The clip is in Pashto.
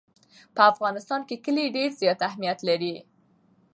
په افغانستان کې کلي ډېر زیات اهمیت لري.